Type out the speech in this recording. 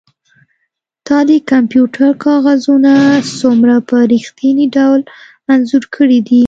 تا د کمپیوټر کاغذونه څومره په ریښتیني ډول انځور کړي دي